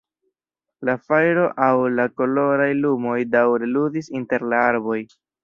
La fajro aŭ la koloraj lumoj daŭre ludis inter la arboj.